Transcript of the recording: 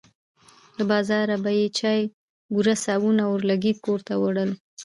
له بازاره به یې چای، بوره، صابون او اورلګیت کور ته وړل.